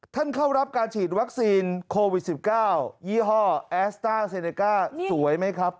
เข้ารับการฉีดวัคซีนโควิด๑๙ยี่ห้อแอสต้าเซเนก้าสวยไหมครับ